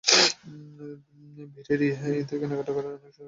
ভিড় এড়িয়ে ঈদের কেনাকাটা অনেক বেশি সহজ করে দিয়েছে অনলাইন সুবিধা।